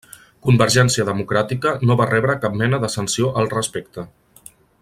Convergència Democràtica no va rebre cap mena de sanció al respecte.